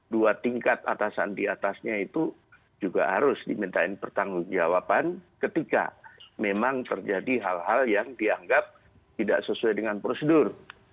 dua tingkat atasan diatasnya itu juga harus dimintain pertanggung jawaban ketika memang terjadi hal hal yang dianggap tidak sesuai dengan prosedur